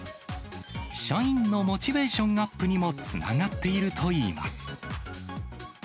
社員のモチベーションアップにもつながっているといいます。